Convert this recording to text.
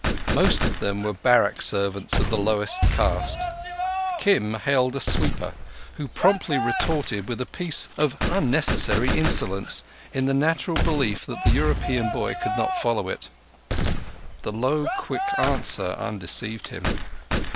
Most of them were barrack servants of the lowest caste. Kim hailed a sweeper, who promptly retorted with a piece of unnecessary insolence, in the natural belief that the European boy could not follow it. The low, quick answer undeceived him.